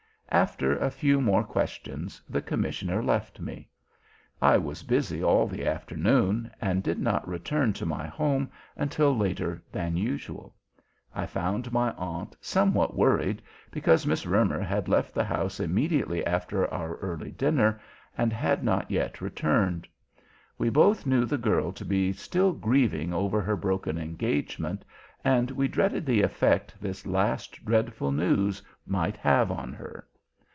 After a few more questions the commissioner left me. I was busy all the afternoon, and did not return to my home until later than usual. I found my aunt somewhat worried because Miss Roemer had left the house immediately after our early dinner, and had not yet returned. We both knew the girl to be still grieving over her broken engagement, and we dreaded the effect this last dreadful news might have on her.